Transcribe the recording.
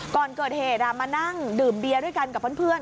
ก่อนเกิดเหตุมานั่งดื่มเบียร์ด้วยกันกับเพื่อน